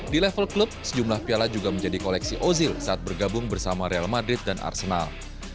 di level klub sejumlah piala juga menjadi koleksi ozil saat bergabung bersama real madrid dan arsenal